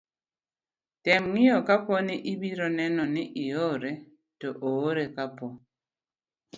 tem ng'iye kapo ni ibiro neno ni iore, to ore to kapo